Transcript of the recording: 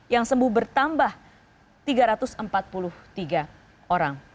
yang sembuh bertambah tiga ratus empat puluh tiga orang